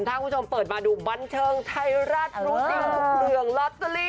ท่านคุณผู้ชมเปิดมาดูบันเชิงไทยรัฐรุ่งเรืองลอตเตอรี